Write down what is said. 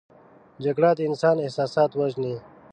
جګړه د انسان احساسات وژني